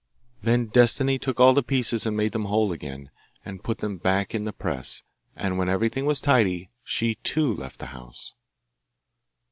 Then Destiny took all the pieces and made them whole again, and put them back in the press, and when everything was tidy she too left the house.